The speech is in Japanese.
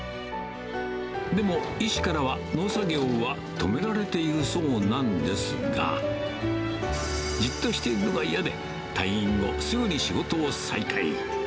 でも、医師からは、農作業は止められているそうなんですが。じっとしているのが嫌で、退院後、すぐに仕事を再開。